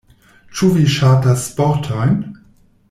Ĉu vi ŝatas sportojn?